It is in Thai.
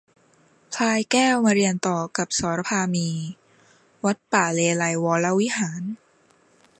พลายแก้วมาเรียนต่อกับสมภารมี วัดป่าเลไลยก์วรวิหาร